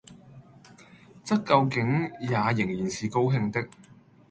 則究竟也仍然是高興的。